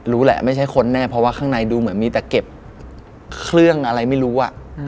รู้แหละไม่ใช่คนแน่เพราะว่าข้างในดูเหมือนมีแต่เก็บเครื่องอะไรไม่รู้